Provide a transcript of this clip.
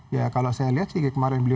ya kalau saya lihat sih kayak kemarin beliau